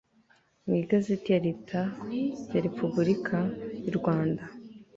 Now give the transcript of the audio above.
mw igazeti ya leta ya repubulika y u rwanda